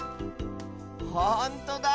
ほんとだ。